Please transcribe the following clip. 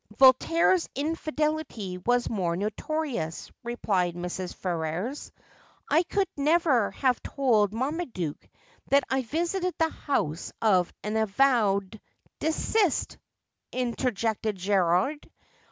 ' Voltaire's infidelity was more notorious,' replied Mrs. Ferrers; ' I could never have told Marmaduke that I visited the house of an avowed '' Deist,' interjected Gerald.